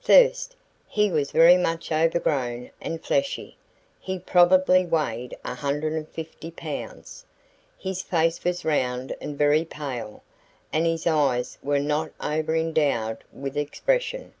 First, he was very much overgrown and fleshy. He probably weighed 150 pounds. His face was round and very pale, and his eyes were not over endowed with expression.